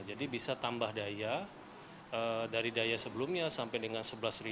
jadi bisa tambah daya dari daya sebelumnya sampai dengan sebelas